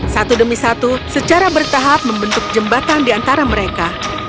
satu demi satu secara bertahap membentuk jembatan di antara mereka